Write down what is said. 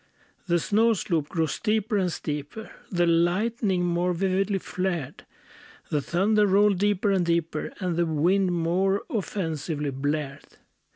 The snow slope grew steeper and steeper; The lightning more vividly flared; The thunder rolled deeper and deeper; And the wind more offensively blared.